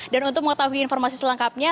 dan untuk mengetahui informasi selengkapnya